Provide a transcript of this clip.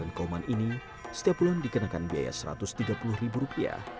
di pondok pesantren kauman ini setiap bulan dikenakan biaya rp satu ratus tiga puluh